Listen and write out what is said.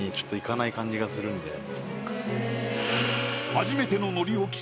初めての。